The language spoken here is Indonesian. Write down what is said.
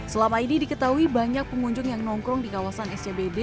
selama ini diketahui banyak pengunjung yang nongkrong di kawasan scbd